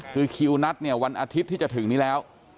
คือคิวนัดเนี่ยวันอาทิตย์ที่จะถึงนี้แล้ว